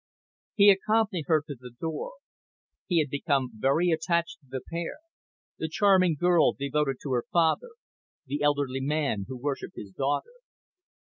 He accompanied her to the door; he had become very attached to the pair the charming girl devoted to her father, the elderly man who worshipped his daughter.